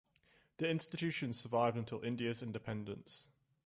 The institutions survived until India's Independence.